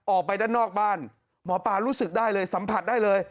ออกไปด้านนอกบ้านหมอปลารู้สึกได้เลยสัมผัสได้เลย